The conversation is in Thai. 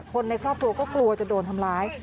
คนในครอบครัวก็กลัวจะโดนทำร้าย